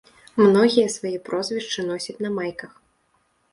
Многія свае прозвішчы носяць на майках.